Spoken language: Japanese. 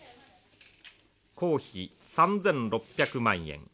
工費３，６００万円。